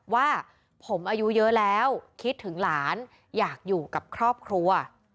ว่าผมอายุเยอะแล้วคิดถึงหลานอยากอยู่กับครอบครัว